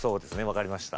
わかりました。